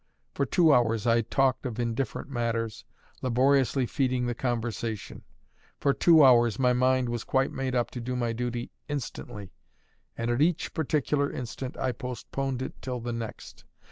For two hours I talked of indifferent matters, laboriously feeding the conversation; for two hours my mind was quite made up to do my duty instantly and at each particular instant I postponed it till the next.